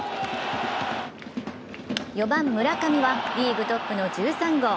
４番・村上はリーグトップの１３号。